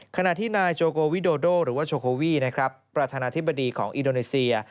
ขณะที่นายโจโกวิโดโดหรือว่าโชโควีนะครับประธานาธิบดีของอินโดนีเซีย